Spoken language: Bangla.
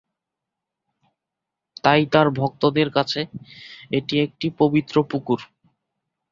তাই তার ভক্তদের কাছে এটি একটি পবিত্র পুকুর।